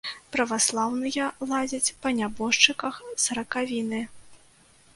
Праваслаўныя ладзяць па нябожчыках саракавіны.